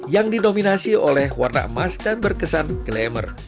yang didominasi oleh warna emas dan berkesan glamour